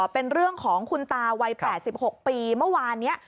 เป็นเรื่องของคุณตาวัย๘๖ปีเมื่อวานนี้